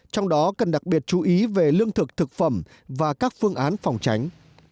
trong đó cần đặc biệt chú ý về lương thực thực phẩm và các phương án phòng tránh